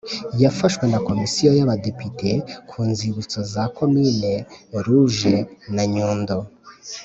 yafashwe na Komisiyo y Abadepite ku nzibutso za Commune rouge na Nyundo